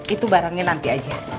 itu barangnya nanti aja